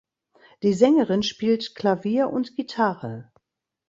Die Sängerin spielt Klavier und Gitarre.